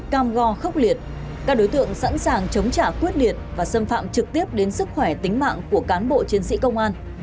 cam go khốc liệt các đối tượng sẵn sàng chống trả quyết liệt và xâm phạm trực tiếp đến sức khỏe tính mạng của cán bộ chiến sĩ công an